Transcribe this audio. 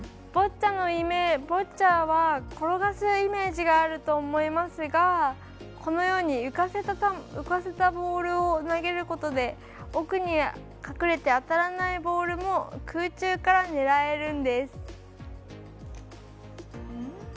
ボッチャは転がすイメージがあると思いますがこのように、浮かせたボールを投げることで奥に隠れて当たらないボールも空中から狙えるんです。